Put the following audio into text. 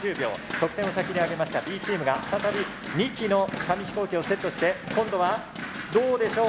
得点を先に挙げましたＢチームが再び２機の紙飛行機をセットして今度はどうでしょう？